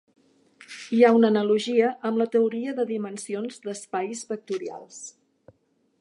Hi ha una analogia amb la teoria de dimensions d'espais vectorials.